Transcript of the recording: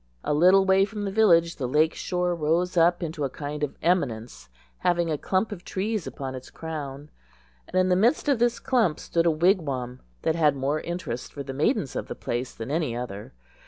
A little way from the village the lake shore rose up into a kind of eminence having a clump of trees upon its crown, and in the midst of this clump stood a wigwam that had more interest for the maidens of the place than any other.